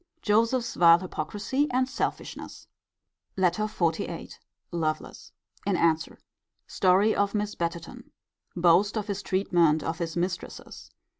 Joseph's vile hypocrisy and selfishness. LETTER XLVIII. Lovelace. In answer. Story of Miss Betterton. Boast of his treatment of his mistresses.